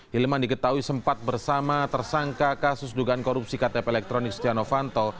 hilman diketahui sempat bersama tersangka kasus dugaan korupsi ktp elektronik stiano fanto